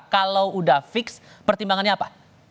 kalau udah fix pertimbangannya apa